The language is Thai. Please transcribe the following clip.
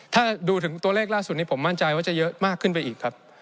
ถ้าดูถึงตัวเลขล่าสุดนี้ผมมั่นใจว่าจะเยอะมากขึ้นไปอีกครับ